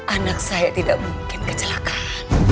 anak saya tidak mungkin kecelakaan